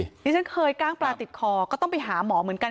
ที่ฉันเคยกล้างปลาติดคอก็ต้องไปหาหมอเหมือนกัน